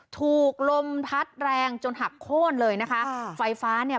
ถูกลมพัดแรงจนหักโค้นเลยนะคะไฟฟ้าเนี่ย